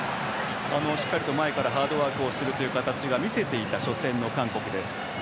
しっかりと前からハードワークをするという形を見せていた初戦の韓国です。